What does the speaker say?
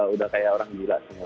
udah kayak orang gila semua